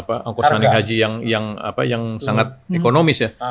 ongkosan haji yang sangat ekonomis ya